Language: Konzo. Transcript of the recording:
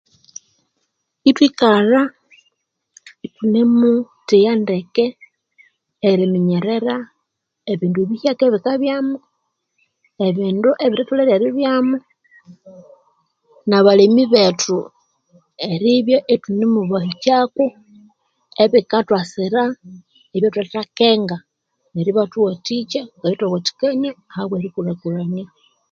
Ithwikalha ithunemutheya ndeke eriminyerera ebindu ebihyaka ebikabyamu ebindu ebithatholere eribyamu nabalemi bethu eribya ithunemubahikyaku ebikathwasira ebyathuthithakenga neryo ibathuwathikya kandi thwawathikania ahabwa erikulhakulhania